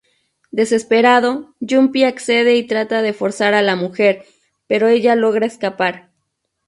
Desesperado, Junpei accede y trata de forzar a la mujer, pero ella logra escapar.